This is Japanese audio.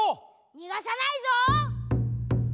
にがさないぞ！